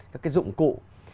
các cái dụng cụ